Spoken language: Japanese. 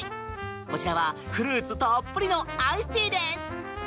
こちらはフルーツたっぷりのアイスティーです。